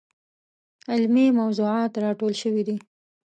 علمي موضوعات راټول شوي دي.